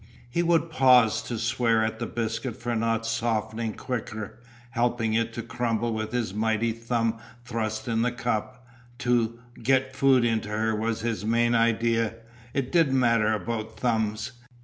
He would pause to swear at the biscuit for not softening quicker, helping it to crumble with his mighty thumb thrust in the cup. To "get food into her" was his main idea, it didn't matter about thumbs.